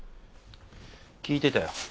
聞いてたよ。